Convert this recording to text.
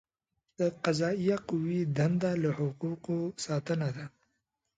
د قضائیه قوې دنده له حقوقو ساتنه ده.